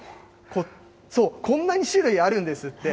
こんなに種類あるんですって。